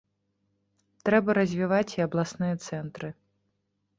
Трэба развіваць і абласныя цэнтры.